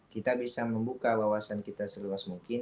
kita bisa membuka wawasan kita seluas mungkin